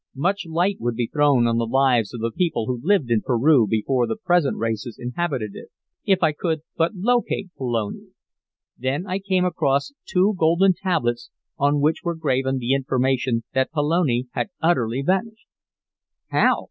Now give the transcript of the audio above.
Much light would be thrown on the lives of the people who lived in Peru before the present races inhabited it, if I could but locate Pelone. "Then I came across two golden tablets on which were graven the information that Pelone had utterly vanished." "How?"